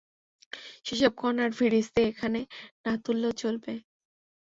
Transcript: সেসব কণার ফিরিস্তি এখানে না তুললেও চলবে।